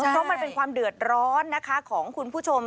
เพราะมันเป็นความเดือดร้อนนะคะของคุณผู้ชม